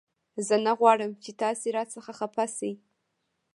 زه نه غواړم چې تاسې را څخه خفه شئ